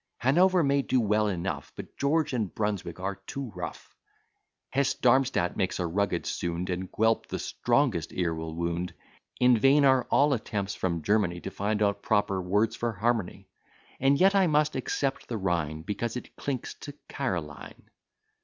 Hanover may do well enough, But George and Brunswick are too rough; Hesse Darmstadt makes a rugged sound, And Guelp the strongest ear will wound. In vain are all attempts from Germany To find out proper words for harmony: And yet I must except the Rhine, Because it clinks to Caroline.